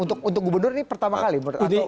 untuk gubernur ini pertama kali